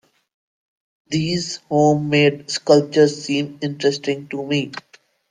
These home-made sculptures seem interesting to me.